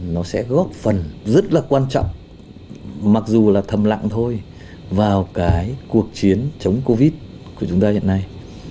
nó sẽ góp phần rất là quan trọng mặc dù là thầm lặng thôi vào cái cuộc chiến chống covid của chúng ta hiện nay